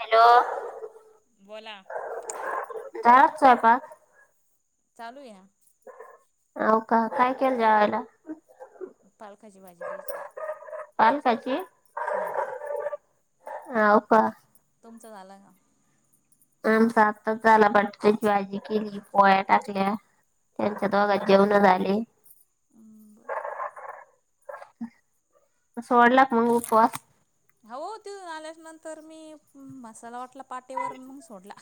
Hello. बोला. झाला स्वयंपाक? चालू या. अ का काय केलं जेवायला? पालकाची भाजी खायची. पालकाची हो. हाव का. तुमचं झालं का? आमचा आताच झाला बटट्याची भाजी केली पोळ्या टाकल्या. हा त्यांच्या का दोघांच जेवण झाले. हम्म सोडला का मग उपवास? हो देऊन आल्या नंतर मी मसाला वाटला. पाटेवर मग सोडला.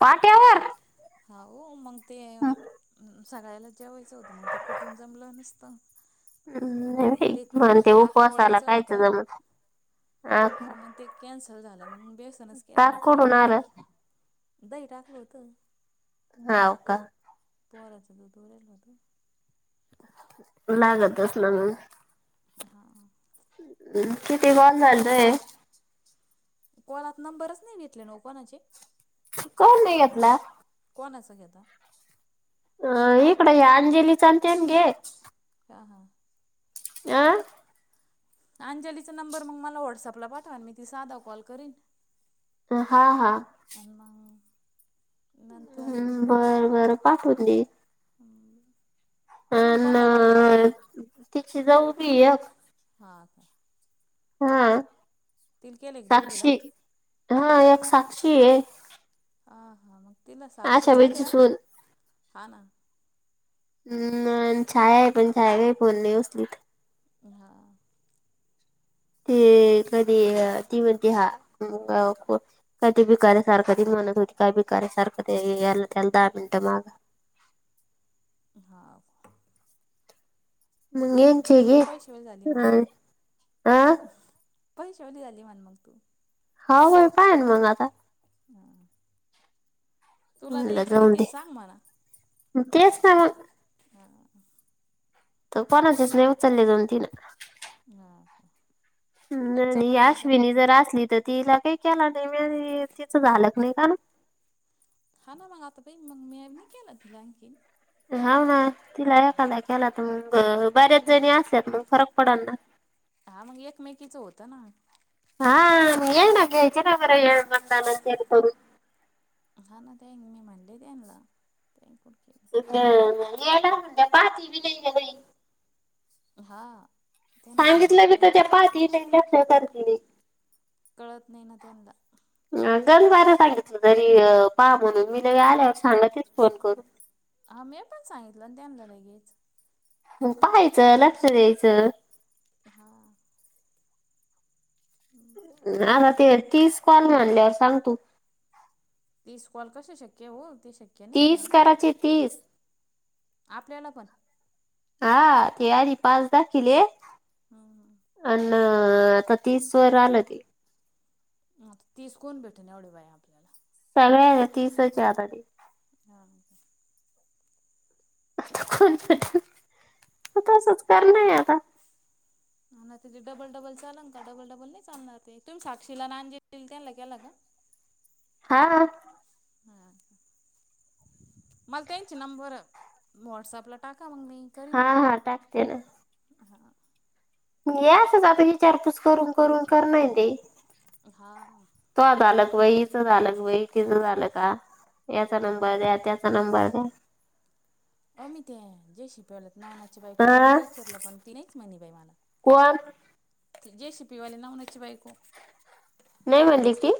पाट्यावर हा हो मग ते सकाळ्याला जेवायचं होतं मग ते कुठून जमलं नसतं. हम्म नाही ते म्हण ते ताक उपवासा आला पोळायचं कायच होतं. जम. पण मग ते कॅन्सल झालं मग. बेसनच केला टास्क हटून. कुडुन आल दही टाकल होत. हाव का. पोराच तो दोरल होतो. लागत असाल ना. हा. [inaudible] किती कॉल झालय? कॉलत नंबरच नाही घेतले ना कोनाचे. कोण नाही घेतला. कोणाचा घेता? अह इकड अंजली चालते ना घे. [inaudible] आं. अंजलीचा नंबर मग मला व्हॉट्सअपला पाठवान मी ती साधा कॉल करीन. हा हा. आणि मग नंतर हे हम्म बरं बरं पाठवून देईल. ह [inaudible] अ न तिची जाऊ बी आहे एक. हां का हम्म. तिला केल एक दोघिला? हा एक साक्षी आहे. हां हां मग तिला आशा साक्षीचा बाईची द्या सून हा ना हम् छाया आहे पण छाया काही फोन नाहीसली तर हा ते कधी ती म्हणते हा कधी बिकऱ्या सारखं ती काय बीिके सारखं ते या त्याला दहा मिनिटं माग हां तू पैशावाली झाली हमेनचीचेकी म्हण ह आह पैशावली झाली म्हण मग तू होा होय पाय ना मगाता हम ल जाऊ दे सांग म्हणा तेच ना हां त कोणाचीच नाही उचलले जाऊन तीन ह का नाही तुमचा नाही पण का अश्विनी जर असली तर तिला काही केला नाही म तिचं झालं क नाही का ना हा ना मग आता ब मग मी केलं तिला आणखीन हाव ना तिला एखादा केला तर मग बऱ्याच जणी असल्यात मग फरक पडाना. हा मग एकमेकीचं होतं ना. हा म आयन घ्यायचे ना हे मतदानात करून. हा ना ते मी म्हटली त्याना. येड म्हटल पाहती वनलेई हा. त्यांना सांगितलं बी समजत नाही तर त्या पाहती नाही लक्ष करती नाही. कळतं नाही ना त्यांंना जरी बार सांगितलं तरी पहा म्हणून मी जरी आल्यावर सांगा तेच फोन करून हा मी पण सांगितलं तेमलं लगेच पहायचं लक्ष द्यायचं हा आता ते तीच कोॉण मानल्यावर सांग तू ती स्कॉल कस शक्य हो ते शक्य नाही ना तीस करायचे तीस आपल्याला पण हा ते आध पाचदााखील अ हम्म आता तीसवरवर आलं ते तीस कोण भेटून एवढे बा आहे आपल्याला चल तीसच्या ह का आता कोण तसच कर नाही आता ह ना तिथे डबल डबल चालल का डबल डबल नाही चालणार ते तुम्ही साक्षीला ना त्यांना केला का [inaudible] ह ह मला त्यांचे नंबर व्हट्सअपला टाक हा हा टाकते ना हा म यासच आपण विचारपूस करून करून करणार ते. हा. वय हीच झालं वय तीच झालं का याचा हा नंबर द्या त्याचा. नंबर द्या. अमित जे शि पला [inaudible] नवनाथ च्या बायको ला हा दोनदा विचारलं पण ती नाहीच म्हणाय बाई मला. कोण जे सीई पिवाली नवनाथ ची बायको. नाही म्हणाली ति.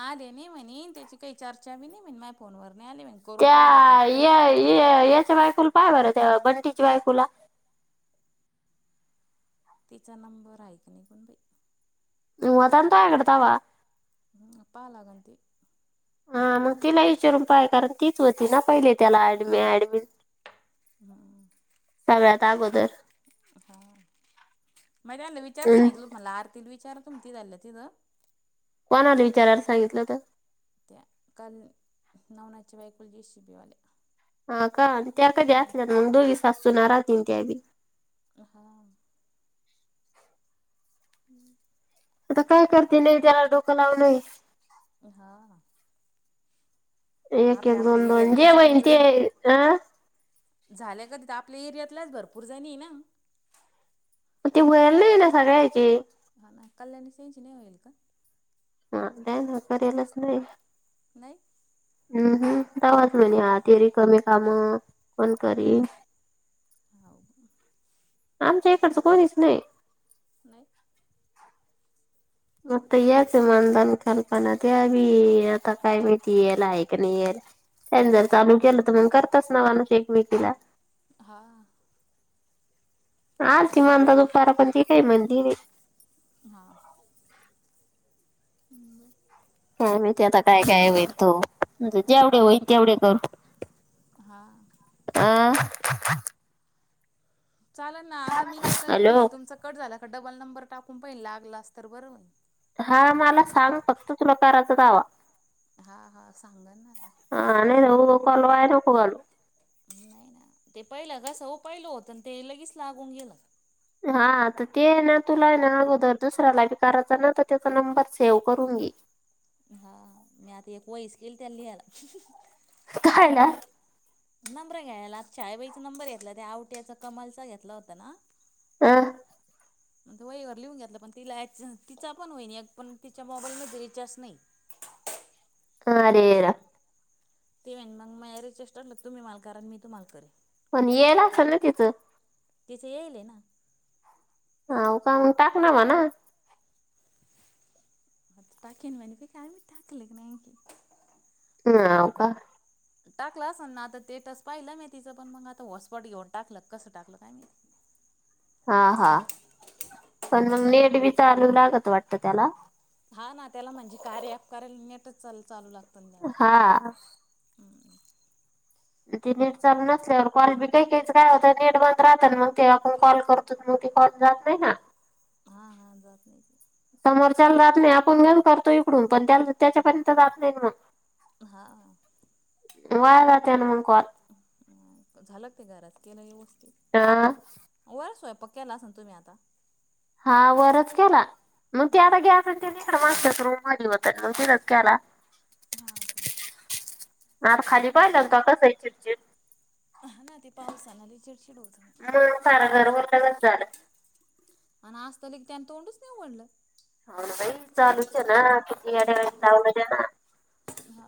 आलंय नाही म्हणे त्याची काही चर्चा बी नाही म्हणाय माय फोनवर नाही आले म्हणे करून पाहिलं तर त्या य ये. बायको ला पाय बर बटाट्याच्या बायकुला तिचा नंबर आहेक नाही माहित बाई. हं होता ना तुझ्या काड त्याव हम्म पाहव लागल हा मग तिला विचारून पाय कारण तीच होती ना पहिले त्याला ड ऍडमिन हम्म. अगोदर. हा म त्या विचार हम्म सांगितलं म्हणलं आरती विचारा? तम तीला त कोणाला विचाराला सांगितलं तर? त्या काल नवनाथ च्या बायकुला जयसीपी वाल्या. हा का त्या का जास्त मग दोगी सासू सुना राहता त्या बी. हा. हम्म. आता काय करते नाही त्याला डोकं लावलाय. हा. एक आपल्या एक आपल्या दोन दोन जे एरियातल्याच होईन ते गंजनी अं. झाल्या का तिथं आपल्या एरियातलाच भरपूर जाणी ना. ती वेल नाही ना सगळ्याची. हा ना कल्याणी त्यांची नाही होईल का? त्यांनी करायलच नाही यं नाही. हम्म हम्म तवाच म्हणे आ त्या रिकामे काम कोण करी. हाव आमच्या इकडचं कोणीच नाही. नाही मता याच मनधान कल्पना ते बी आता काय माहिती याल आहे का नाही याल. त्यांनी जर चालू केलं तर मग करतच नावान श ऐकमेकींना. हा. हा तिमानता दुपारा पण त काय म्हणंती नाही हा. काय माहिती ते आता काय काय होईल तो म्हणजे जेवढे होईन तेवढे कर. हा आ. चाल ना आता मी काय करेन हे हॅलो तुमच कट झालं का डबल नंबर टाकून पाहिल लागला अस तर बरं होईल. हा मला सांग फक्तच करायचं तवा. हा हा सांग ना. हा नाही तर कॉल वाया नको घालवू नाही ना पहिलं कसं हो पहिलं होत ते लगेच लागून गेलं. हा तर ते आहे ना तुला आहे ना अगोदर दुसऱ्याला बी करायचं ना तर त्याचा नंबर सेव्ह करून. घे हा मी आता एक वही केल त्याला लिहायला. काय ना? नंबर घ्यायला आ चायबाईचा नंबर घेतला त्या आवट्याचा कमालचा घेतला होता ना? हा वही वर लिहून घेतलं पण तिला तिचा पण होईन एक पण तिच्या मोबाईल रिचार्जच्याच नाही. [unintelligible] ते मग मग या रिचार्ज टाकलं तुम्ही मला कारा आणि मी तू माल करे पण यायल असेल ना त्याच तिथे येईले ना हा उ का टाकणार मणा टाकिन म्हणनती काय माहिती टाकल का नाही हा हो का टाकला असेल ना आता स्टेटस पाहिलं मी तिचं पण मग आता वॉसपट घेऊन टाकलं कसं टाकलं काय मी हा हा पण मग नीट बी चालू लागत वाटत त्याला हा ना त्याला म्हणजे कार्य अफकारयला नेटच चाल चालू लागत हा ते नेट चालू नसल्यावर कॉल बी काही काहीच काय होत नेट बंद राहत मग ते आपण कॉल करतो मग कॉल जात नाही ना हा हा जात नाही की समोरच्याला जात नाही आपण घेल करतो इकडून पण त्या त्याच्यापर्यंत जात नाही ना. हा वाया जाते ना कॉल झालं ते घरात केलं व वस्त हा. स्वयंपाक केला असेल तुम्ही आता? हा वरच केला मग ते हा. आता गॅस ते इकडं माडतो ली होत नतीरकला हा का. आता खाली पाहिलं का कसं आहे चिडचिड हा ना ते पावसाना चिडचिड होत. [unintelligible] आणि आ असतलं की त्यानी तोंडच नाही वडलं जाज ना हा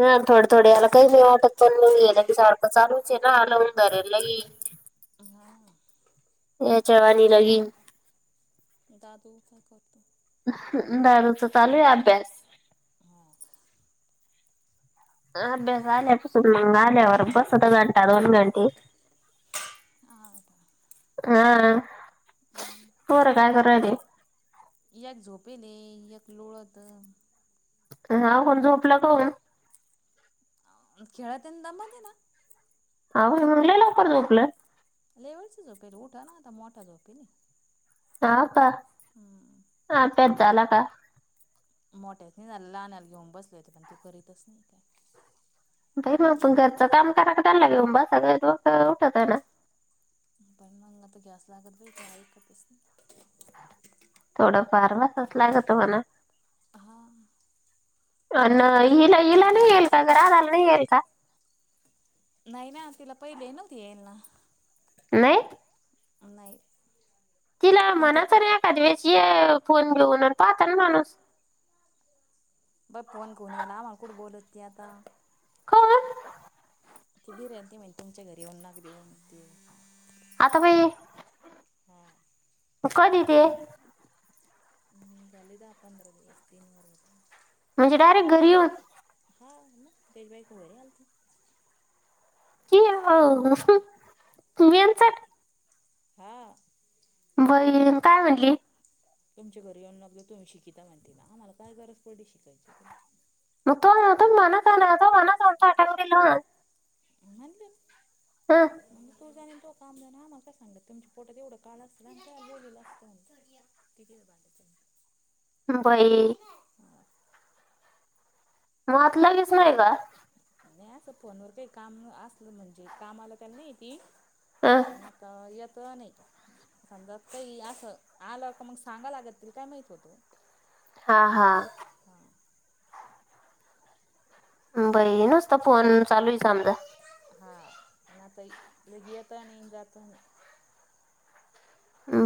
ह थोडे थोडे याला काही मी वाटत पण की सारखं चालूच आहे ना आलाव दर ल हा या चवा नि लगी दादू काय करतो? दादुचा चालू आहे अभ्यास. हा. अभ्यास आले पासून मंग आल्यावरर बस अ द घंटा दोन घंटे हा का? हा पोर काय करराय एकक झोपेलेक लोळत हा कोण झोपला का? खेळतेन दमद ना अ म्हंग लै लवकर झोपलं लेवडच झोपे उठा ना आता मोठा झोपी हा प ह अभ्यास झाला का? मोठ्याच नाही लानला घेऊन बसले होते पण त करीतच नाही काय बाई मग त घरचं काम करा त्यालागेऊन ब सग उठत आहे ना. पण मला तर गॅस लागत बा पस थोडं फारवासच ला ग तमला हा. अ नाही बस हिला हिला नाही येल का जरा नाही येल का? नाही ना तिला पहिले नव्हती येईल ना नाहीय नाही तीला तीन मना ते [inaudible] ते फोन घेऊन आलता ना माणूस बघ फोन करऊन याला मला कुठं बोलतती आता का ति बीर ते म्हहि तुमच्या घरी ये नाग देऊन ते आता पई हा कधी ते हम्म झाली दहा पंधरा दिवस तीन वार बले. म्हणजे डायरेक्ट घरी येऊन. हा म देशभाई खर आलती. कि तुमी यांचा. [inaudible] व काय म्हटली. तुमच्या घरी येऊन तुम्ही शिकिता म्हणती ना आम्हाला काय गरज पडते शिकायची. म मनास ना मनासंत आटा दिल. म्हले. हह. काम मला काय सांगत तुमची पोट तेवढं काळलं असतं आणि ते बोललं असतं म्हण. बाई. मातला नाहीस का? नाही असं फोनवर काही काम असलं म्हणजे काम आलं त्याला नाही ती हं, आता येतो नाही. समजा काही असं आलं का मग सांगा लागत ते काय माहित होतो. हा हा हा बई नसता फोन चालू आहे समजा. हा नाता लघी येतो आणि जातो आणि.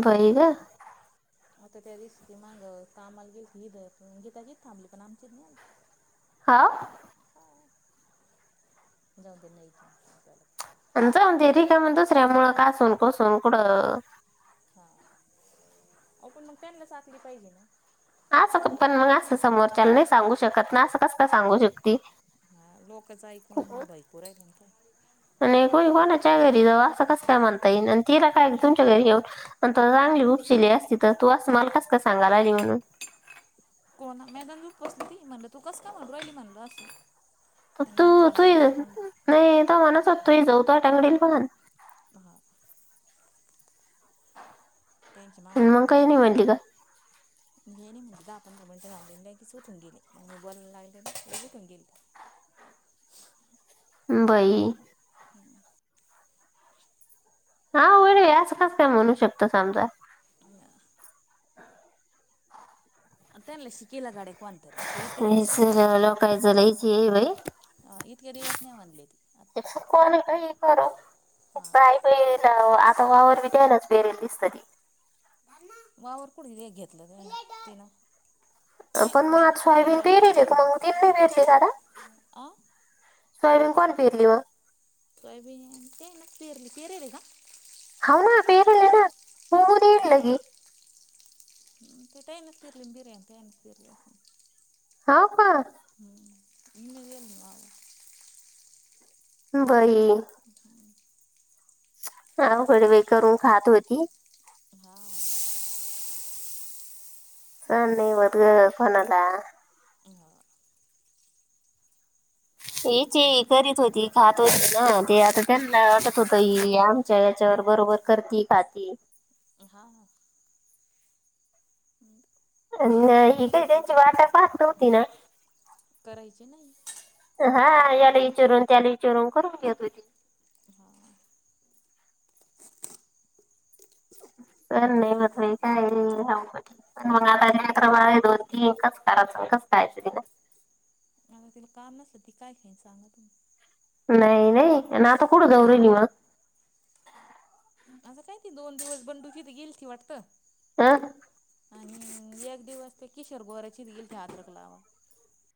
बई ग. आता त्या दिवशी त माग कामाला गेल त हिद गीताचीच थांबली पण आमचीच नाही आलीती. आ. जाऊदे नाही तर. आणि जाऊते र का मण दुसऱ्या मुळं कासून कोसून कुठं. हा अ पण मग त्यानला साकली पाहिजे ना. असं पण मग असं समोरच्या नाही सांगू शकत ना. कस सांगू शकते हा लोकच खूप. ऐकून भैकू राहिल काय कोणाच्या घरी जाऊ असं कस काय म्हणता येईल तिला काय तुमच्या घरी येऊन रान खूपसली आहे. तिथ तू अस मला कस का सांगाला म्हणून. कोणा मैदानजूप पोसली ती म्हणल तू कस काय म्हणल आली म्हणल असं. मग तू माझ्या तू तोंडात आलं म्हणलं नाही त म्ह तू जाऊतो टांगडील पण. हा तेनच माग अ काय मग काही नाही वावरंबा. म्हणली का गेणे म्हणली दहा पंधरा मिनिटं झाले लगेच उटून गेले मग बोयला लागले उठून गेले. [inaudible] बाई. हा वेळ यास कास काय म्हणू शकत समजा. अं, ताले शिकील गाडे. हेच ल कायचलायच ये बाई. अं, इतके दिवस नाही म्हणले ते आता एक कवाणी काही कर. हा काय बाय लाव आता वावर बी द्यायलाच बेरेल दिसत ते. वावर कुठ एक घेतलं त्यांनी तिनं. ते आपण मग आज त्यानंच करेल सोयाबीन पेरले वाटतं का मग तन नाही पेरले दादा. अं स्यबन कोण फिरली म. तयब आहे ते ना पर परल काा. होना बेरल ना होूऊ नड लागे. ते काहीनच फिरले बिर्या कानच फिरले. हा का. हम इनगे ना. बाई. अवकडे व करून खात होती. [unintelligible] ह नाही बत ग कोणाला [unintelligible] याचे करीत होती खात होती ना ते आता त्यांना वाटत होत आमच्या याच्यावर बरोबर क करती खात हा नाही ही काही त्यांची वाटा फत नव्हती ना करायचे नाही हा याला विचोरून त्याला वि चोरून करून घेत होती हा [unintelligible] सर नाही मत काय ह पण मग आताक्रमा आहे दोन तीन कस करायचं य तला [inaudible] नाही नाही आणि आता कडं दरल मग. आता कायती दोन दिवस बंडूकीथ गेल ती वाटत. हह. आणि एक दिवस त्या कि शर्भवराची येईलत्रक लावा.